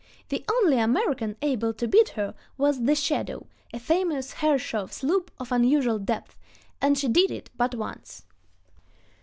The only American able to beat her was the Shadow, a famous Herreshoff sloop of unusual depth, and she did it but once.